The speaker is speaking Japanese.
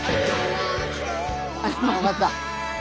よかった。